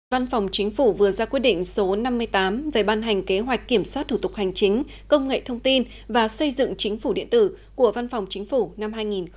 văn phòng chính phủ vừa ra quyết định số năm mươi tám về ban hành kế hoạch kiểm soát thủ tục hành chính công nghệ thông tin và xây dựng chính phủ điện tử của văn phòng chính phủ năm hai nghìn hai mươi